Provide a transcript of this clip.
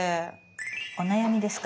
お悩みですか？